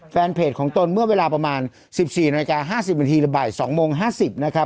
แฟนเพจของตนเมื่อเวลาประมาณ๑๔น๕๐นละบ่าย๒โมง๕๐นนะครับ